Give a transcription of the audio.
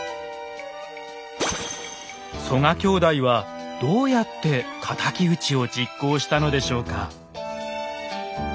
曽我兄弟はどうやって敵討ちを実行したのでしょうか。